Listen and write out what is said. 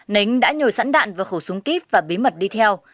nính đã nhồi sẵn đạn vào khẩu súng kíp và bí mật đi theo